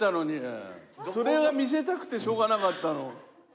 それが見せたくてしょうがなかったの。